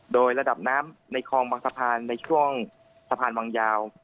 โดยระดับน้ำในคลองบางสะพานในช่วงสะพานวังยาว